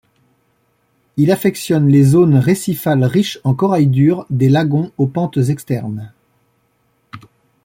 Il affectionne les zones récifales riches en corail dur des lagons aux pentes externes.